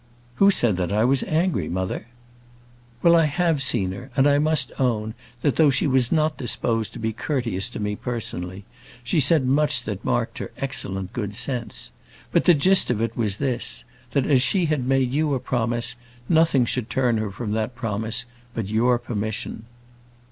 "Who said that I was angry, mother?" "Well, I have seen her, and I must own, that though she was not disposed to be courteous to me, personally, she said much that marked her excellent good sense. But the gist of it was this; that as she had made you a promise, nothing should turn her from that promise but your permission."